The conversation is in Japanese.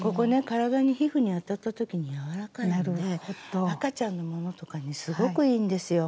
体に皮膚に当たった時に柔らかいので赤ちゃんのものとかにすごくいいんですよ。